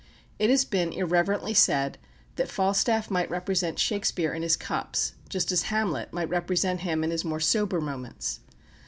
It has been irreverently said that Falstaff might represent Shakespeare in his cups, just as Hamlet might represent him in his more sober moments.